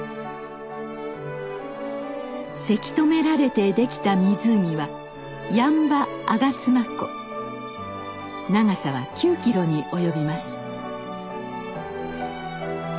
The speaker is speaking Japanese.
せき止められてできた湖は長さは９ｋｍに及びます。